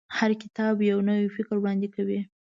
هر کتاب یو نوی فکر وړاندې کوي.